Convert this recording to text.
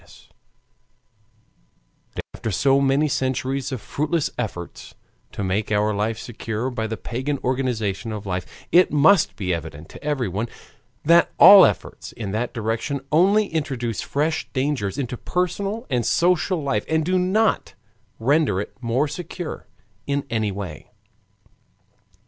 Nowadays, after so many centuries of fruitless efforts to make our life secure by the pagan organization of life, it must be evident to everyone that all efforts in that direction only introduce fresh dangers into personal and social life, and do not render it more secure in any way.